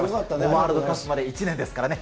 ワールドカップまで１年ですからね。